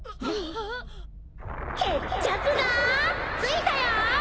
決着がついたよ。